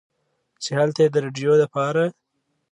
چې هلته ئې د رېډيو دپاره